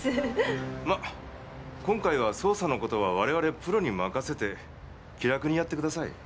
まっ今回は捜査のことは我々プロに任せて気楽にやってください。